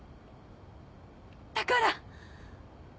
だから。